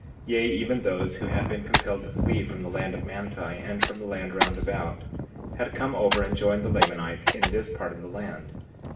59:6 Yea, even those who had been compelled to flee from the land of Manti, and from the land round about, had come over and joined the Lamanites in this part of the land.